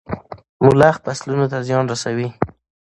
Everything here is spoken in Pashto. ملخ فصلونو ته زيان رسوي.